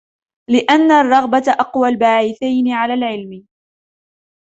لِأَنَّ الرَّغْبَةَ أَقْوَى الْبَاعِثَيْنِ عَلَى الْعِلْمِ